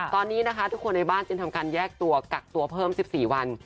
ตอนนี้นะคะทุกคนในบ้านจึงทำการแยกตัวกักตัวเพิ่ม๑๔วัน